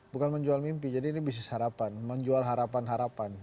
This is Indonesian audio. bukan menjual mimpi jadi ini bisnis harapan menjual harapan harapan